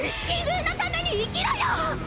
自分のために生きろよ！！